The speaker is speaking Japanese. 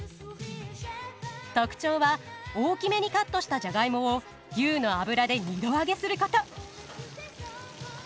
特徴は大きめにカットしたジャガイモを牛の脂で２度揚げすること。